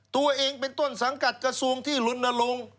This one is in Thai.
ตัวเองเป็นต้นสังกัดกระทรวงที่ลนลง